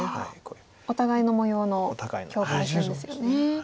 お互いの模様の境界線ですよね。